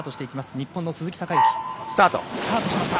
日本の鈴木孝幸スタートしました。